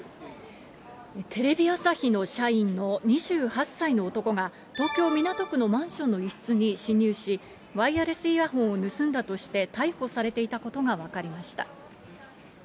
テレビ朝日の社員の２８歳の男が、東京・港区のマンションの一室に侵入し、ワイヤレスイヤホンを盗んだとして逮捕されていたことが分かりました。